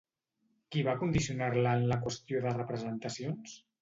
Qui va condicionar-la en la qüestió de representacions?